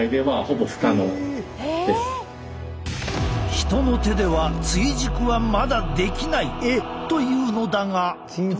人の手では追熟はまだできないというのだが。